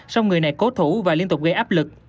song người này cố thủ và liên tục gây áp lực